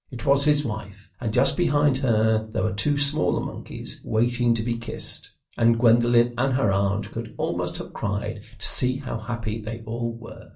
It was his wife, and just behind her there were two smaller monkeys waiting to be kissed; and Gwendolen and her aunt could almost have cried to see how happy they all were.